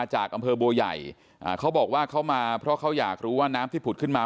จากอำเภอบัวใหญ่เขาบอกว่าเขามาเพราะเขาอยากรู้ว่าน้ำที่ผุดขึ้นมา